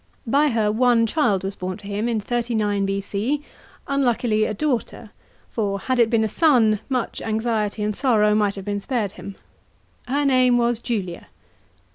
By her one child was born to him in 39 B.C., unluckily a daughter ; fix, had it been a son, much anxiety and sorrow might have been spared him. Her name was Julia.